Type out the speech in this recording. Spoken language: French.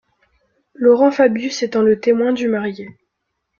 Laurent Fabius étant le témoin du marié.